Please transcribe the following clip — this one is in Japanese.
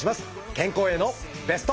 健康へのベスト。